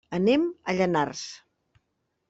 Anem a Llanars.